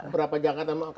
berapa jakarta mau kasih